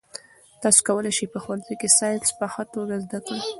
تاسي کولای شئ په ښوونځي کې ساینس په ښه توګه زده کړئ.